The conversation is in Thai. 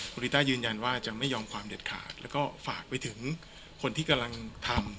ริต้ายืนยันว่าจะไม่ยอมความเด็ดขาดแล้วก็ฝากไปถึงคนที่กำลังทำ